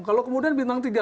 kalau kemudian bintang tiga